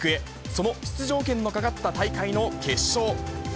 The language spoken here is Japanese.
その出場権のかかった大会の決勝。